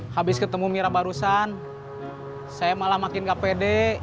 habis ketemu mira barusan saya malah makin gak pede